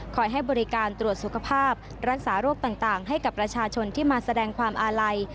ให้บริการตรวจสุขภาพรักษาโรคต่างให้กับประชาชนที่มาแสดงความอาลัย